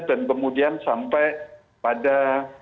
dan kemudian sampai pada